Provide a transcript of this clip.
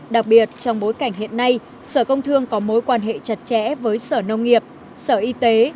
đặc biệt trong bối cảnh hiện nay sở công thương có mối quan hệ chặt chẽ với sở nông nghiệp sở y tế